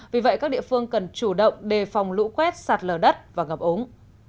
vì vậy các địa phương cần chủ động đề phòng lũ quét sạt lở đất và ngập ống